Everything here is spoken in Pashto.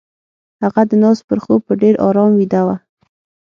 هغه د ناز پر خوب په ډېر آرام ويده وه.